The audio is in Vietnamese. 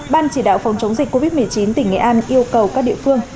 ban chỉ đạo phòng chống dịch covid một mươi chín tỉnh nghệ an yêu cầu các địa phương